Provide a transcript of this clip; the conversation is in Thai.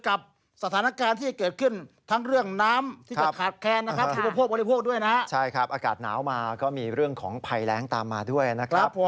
อากาศหนาวมาก็มีเรื่องของภัยแรงตามมาด้วยนะครับ